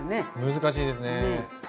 難しいですね。